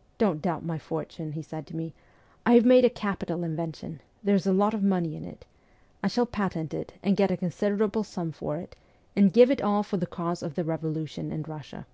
' Don't doubt my fortune,' he said to me ;' I have made a capital invention. There's a lot of money in it. I shall patent it, and get a considerable sum for it, and give it all for the cause of the revolution in Kussia.'